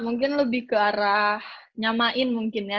mungkin lebih ke arah nyamain mungkin ya